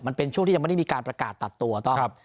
มันเป็นช่วงที่ยังไม่ได้มีการประกาศตัดตัวต้อง